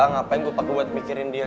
ngapain gue pake buat mikirin dia